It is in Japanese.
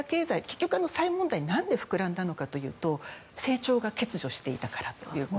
結局、債務問題が何で膨らんだのかというと成長が欠如していたという。